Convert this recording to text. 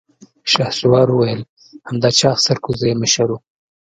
شهسوار وويل: همدا چاغ سرکوزی يې مشر و.